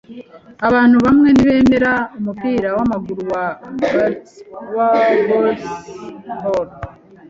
Abantu bamwe ntibemera umupira wamaguru wa baseball.